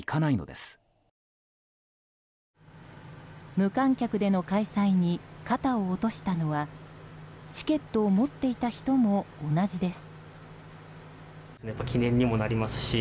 無観客での開催に肩を落としたのはチケットを持っていた人も同じです。